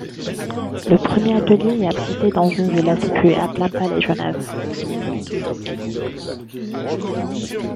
Le premier atelier est abrité dans une villa située à Plainpalais, Genève.